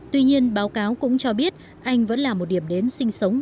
tuy nhiên báo cáo cũng cho biết anh vẫn là một điểm đến sinh sống